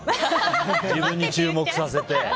自分に注目させて。